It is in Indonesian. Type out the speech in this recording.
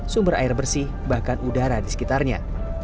sumber air bersih bahkan udara di sekitarnya